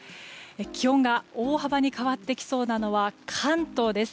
気温が大幅に変わってきそうなのは関東です。